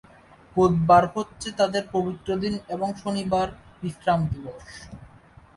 বুধবার হচ্ছে তাদের পবিত্র দিন এবং শনিবার বিশ্রাম দিবস।